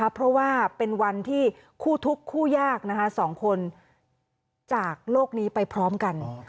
เพราะว่าเป็นวันที่คู่ทุกข์คู่ยาก๒คนจากโลกนี้ไปพร้อมกัน